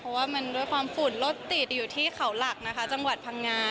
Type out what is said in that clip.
เพราะว่ามันด้วยความฝุ่นรถติดอยู่ที่เขาหลักนะคะจังหวัดพังงา